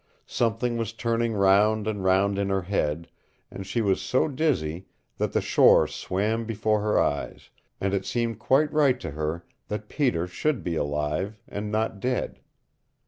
Something was turning round and round in her head, and she was so dizzy that the shore swam before her eyes, and it seemed quite right to her that Peter should be alive and not dead.